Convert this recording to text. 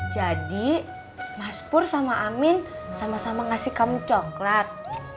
jadi mas pur sama amin sama sama ngasih kamu coklat